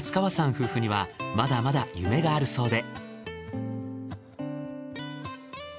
夫婦にはまだまだ夢があるそうで。